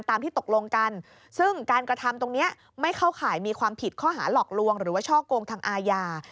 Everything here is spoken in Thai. ทำตรงนี้ไม่เข้าข่ายมีความผิดข้อหาหลอกลวงหรือว่าช่อโกงทางอาญา